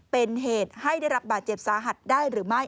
เป็นเหตุให้ได้รับบาดเจ็บสาหัสได้หรือไม่